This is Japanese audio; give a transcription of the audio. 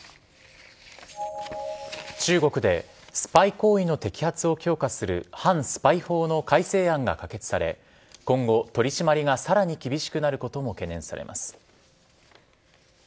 中国でスパイ行為の摘発を強化する反スパイ法の改正案が可決され今後、取り締まりがさらに厳しくなることも懸念されます。